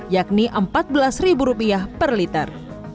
yakni empat belas ribu rupiah per liter